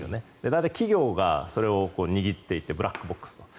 大体、企業がそれを握っていてブラックボックス。